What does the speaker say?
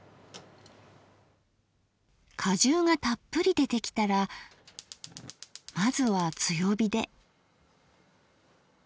果汁がたっぷり出てきたらまずは強火で。